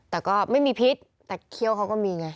แต่ก็ไม่มีพิษแต่เขี้ยวเขาก็มีไง